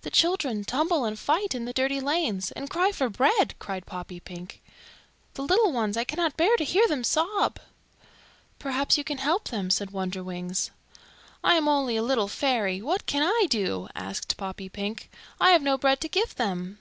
"The children tumble and fight in the dirty lanes, and cry for bread," cried Poppypink. "The little ones, I cannot bear to hear them sob." "Perhaps you can help them," said Wonderwings. "I am only a little fairy. What can I do?" asked Poppypink. "I have no bread to give them."